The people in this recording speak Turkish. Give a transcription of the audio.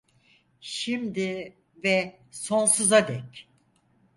Şimdi ve sonsuza dek.